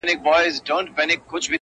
چي يې مور شېردل ته ژبه ورنژدې کړه؛